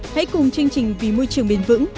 hãy cùng chương trình vì môi trường bền vững